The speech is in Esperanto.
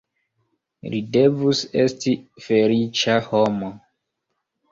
Li devus esti feliĉa homo.